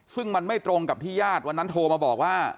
ซึ่งมันไม่ตรงกับที่ญาติวันนั้นโทรมาบอกว่า